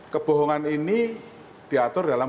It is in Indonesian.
kebohongan ini diatur dalam